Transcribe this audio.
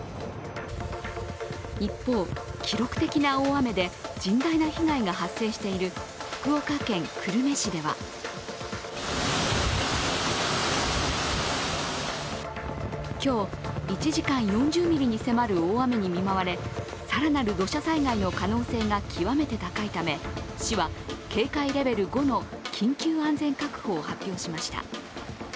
一方、記録的な大雨で甚大な被害が発生している福岡県久留米市では今日、１時間４０ミリに迫る大雨に見舞われ更なる土砂災害の可能性が極めて高いため、市は警戒レベル５の緊急安全確保を発表しました。